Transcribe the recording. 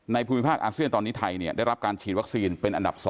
ภูมิภาคอาเซียนตอนนี้ไทยได้รับการฉีดวัคซีนเป็นอันดับ๒